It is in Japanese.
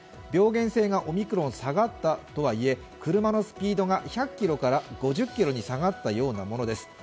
病原性がオミクロン、下がったとはいえ車のスピードが１００ｋｍから５０ｋｍに下がったようなものです。